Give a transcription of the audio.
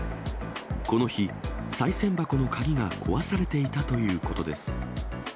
この日、さい銭箱の鍵が壊されていたということです。